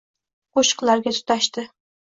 Qo’shiqlarga tutashdi.